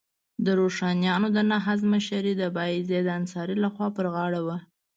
د روښانیانو د نهضت مشري د بایزید انصاري لخوا پر غاړه وه.